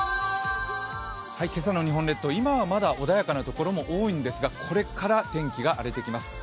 今朝の日本列島、今はまだ穏やかな所、多いんですがこれから天気が荒れてきます。